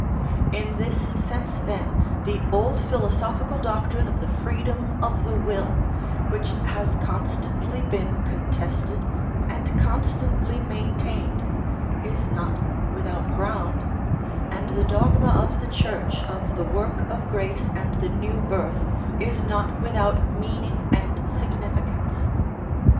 In this sense, then, the old philosophical doctrine of the freedom of the will, which has constantly been contested and constantly maintained, is not without ground, and the dogma of the Church of the work of grace and the new birth is not without meaning and significance.